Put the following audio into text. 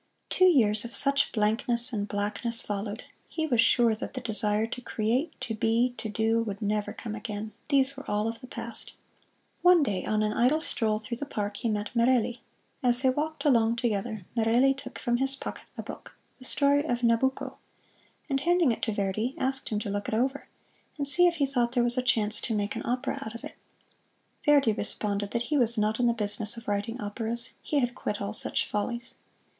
Two years of such blankness and blackness followed. He was sure that the desire to create, to be, to do, would never come again these were all of the past. One day on an idle stroll through the park he met Merelli. As they walked along together, Merelli took from his pocket a book, the story of "Nabucco," and handing it to Verdi, asked him to look it over, and see if he thought there was a chance to make an opera out of it. Verdi responded that he was not in the business of writing operas he had quit all such follies.